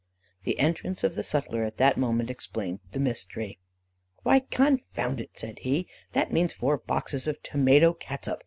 The entrance of the sutler at that moment explained the mystery. "'Why, confound it!' said he, 'that means four boxes Tomato Catsup!